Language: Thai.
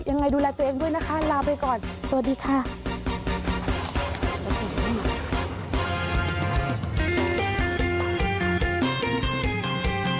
ยังไงดูแลตัวเองด้วยนะคะลาไปก่อนสวัสดีค่ะ